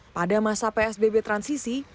pada masa psbb transisi